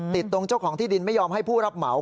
ติดตรงเจ้าของที่ดินไม่ยอมให้ผู้รับเหมา